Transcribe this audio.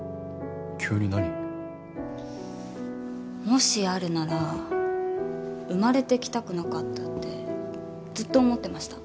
もしあるなら生まれてきたくなかったってずっと思ってました。